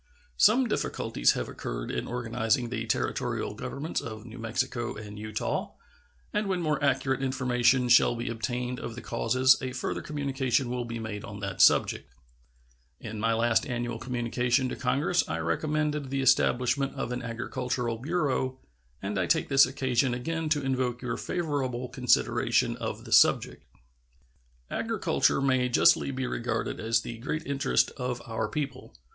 Some difficulties have occurred in organizing the Territorial governments of New Mexico and Utah, and when more accurate information shall be obtained of the causes a further communication will be made on that subject. In my last annual communication to Congress I recommended the establishment of an agricultural bureau, and I take this occasion again to invoke your favorable consideration of the subject. Agriculture may justly be regarded as the great interest of our people.